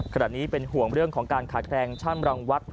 ขตัดนี้เป็นห่วงเรื่องของการขาดแคลงชั่นรังวัดโผทรประเทศ